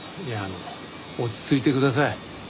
いやあの落ち着いてください。